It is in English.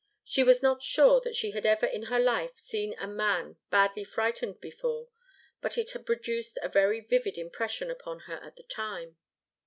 She was not sure that she had ever in her life seen a man badly frightened before, and it had produced a very vivid impression upon her at the time.